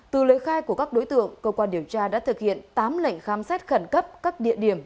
từ lời khai của các đối tượng cơ quan điều tra đã thực hiện tám lệnh khám xét khẩn cấp các địa điểm